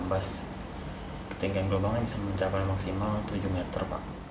dan ambas ketinggian gelombang yang bisa mencapai maksimal tujuh meter